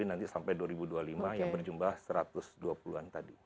nanti sampai dua ribu dua puluh lima yang berjumlah satu ratus dua puluh an tadi